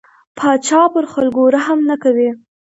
پاچا پر خلکو رحم نه کوي.